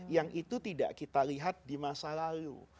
yang itu tidak kita lihat di masa lalu